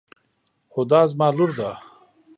هُدا زما لور ده.